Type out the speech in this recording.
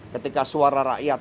ketika suara rakyat